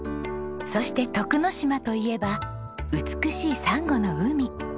そして徳之島といえば美しいサンゴの海。